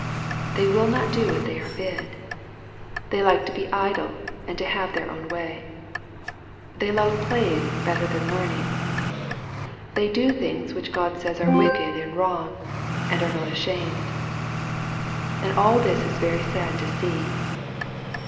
They will not do what they are bid. They like to be idle, and to have their own way. They love playing better than learning. They do things which God says are wicked and wrong, and are not ashamed. And all this is very sad to see.